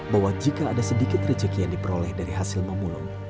bahwa jika ada sedikit rezeki yang diperoleh dari hasil memulung